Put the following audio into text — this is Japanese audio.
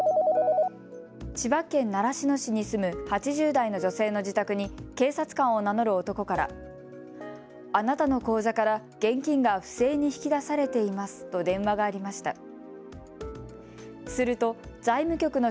千葉県習志野市に住む８０代の女性の自宅に警察官を名乗る男からあなたの口座から現金が不正に引き出されていますと電話がありました。